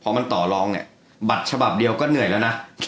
พอมันต่อรองเนี่ยบัตรฉบับเดียวก็เหนื่อยแล้วนะ